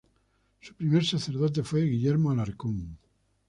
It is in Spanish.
Su primer sacerdote fue Guillermo Alarcón.